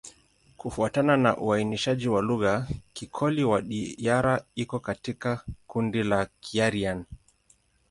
Kufuatana na uainishaji wa lugha, Kikoli-Wadiyara iko katika kundi la Kiaryan.